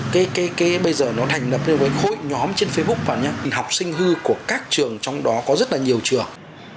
cái bây giờ nó thành lập ra với khối nhóm trên facebook và những học sinh hư của các trường trong đó có rất là nhiều trường